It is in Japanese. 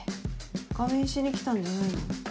仮眠しに来たんじゃないの？